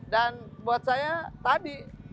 dan buat saya tadi